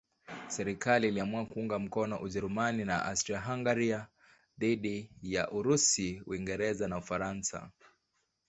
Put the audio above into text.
Serikali iliamua kuunga mkono Ujerumani na Austria-Hungaria dhidi ya Urusi, Uingereza na Ufaransa.